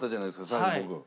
最後僕。